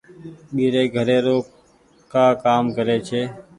ٻيري گهري رو ڪآ ڪآم ڪري ڇي۔